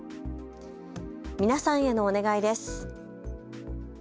皆さんへのお願いです。